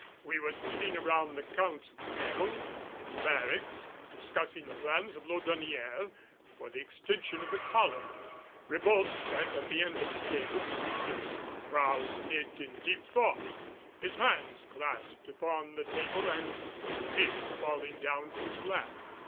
We were sitting around the council table in the barracks discussing the plans of Laudonnière for the extension of the colony. Ribault sat at the end of the table, his brows knit in deep thought, his hands clasped upon the table and his beard falling down to his lap.